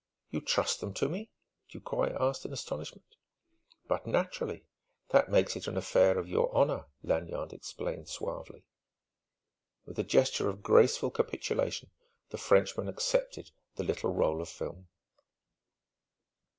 "You trust them to me?" Ducroy asked in astonishment. "But naturally: that makes it an affair of your honour," Lanyard explained suavely. With a gesture of graceful capitulation the Frenchman accepted the little roll of film.